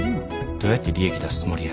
どうやって利益出すつもりや。